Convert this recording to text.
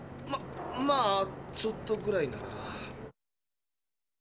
ままあちょっとぐらいなら。